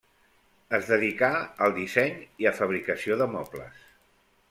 Es dedicà al disseny i a fabricació de mobles.